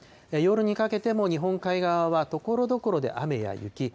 夜にかけても日本海側は、ところどころで雨や雪。